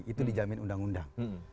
itu dijamin undang undang